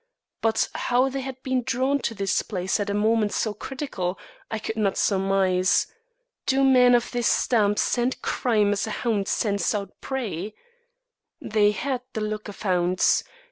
But how they had been drawn to this place at a moment so critical, I could not surmise. Do men of this stamp scent crime as a hound scents out prey? They had the look of hounds.